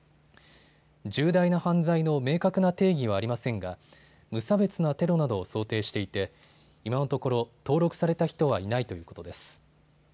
重大な犯罪の明確な定義はありませんが無差別なテロなどを想定していて今のところ登録された人はいないということです。